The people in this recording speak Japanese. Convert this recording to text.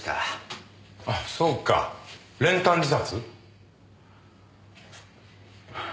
あっそうか練炭自殺？